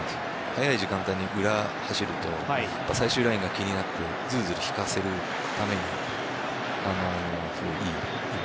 早い時間帯に裏に走ると最終ラインが気になってズルズル引かせるためにすごい、いい。